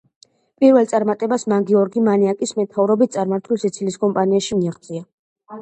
პირველ წარმატებას მან გიორგი მანიაკის მეთაურობით წარმართულ სიცილიის კამპანიაში მიაღწია.